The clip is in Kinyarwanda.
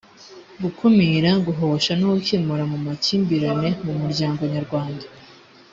gukumira guhosha no gukemura amakimbirane mu muryango nyarwanda